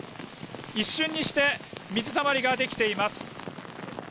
一瞬にして水たまりができています。